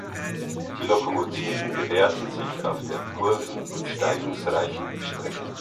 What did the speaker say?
Die Lokomotiven bewährten sich auf der kurven- und steigungsreichen Strecke.